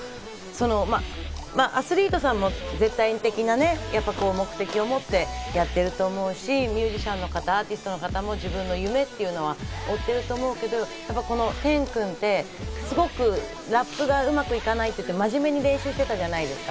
アスリートさんも絶対的な目的を持ってやっていると思うし、ミュージシャンの方、アーティストの方も自分の夢というのは持っていると思うけど、テン君ってラップがうまくいかないって言って真面目に練習してたじゃないですか。